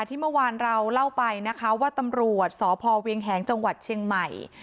ที่เมื่อวานเราเล่าไปนะคะว่าตำรวจสพเวียงแหงจังหวัดเชียงใหม่